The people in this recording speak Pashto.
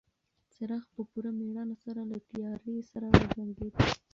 څراغ په پوره مېړانه سره له تیارې سره وجنګېد.